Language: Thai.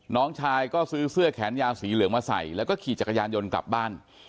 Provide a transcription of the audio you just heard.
น้องชายก็ซื้อเสื้อแขนยาวสีเหลืองมาใส่แล้วก็ขี่จักรยานยนต์กลับบ้าน